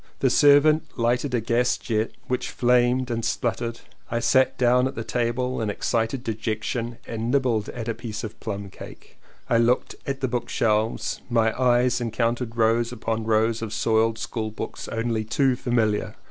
The servant lighted a gas jet which flamed and sputtered and I sat down at the table in excited dejection and nibbled at a piece of plum cake. I looked at the bookshelves and my eyes encountered rows upon rows of soiled school books only too familiar.